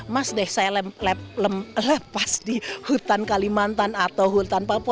mas deh saya lepas di hutan kalimantan atau hutan papua